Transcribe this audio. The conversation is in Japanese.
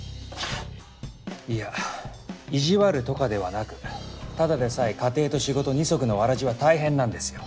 いやいじわるとかではなくただでさえ家庭と仕事二足のわらじは大変なんですよ。